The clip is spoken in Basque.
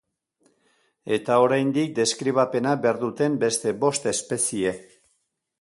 Eta oraindik deskribapena behar duten beste bost espezie.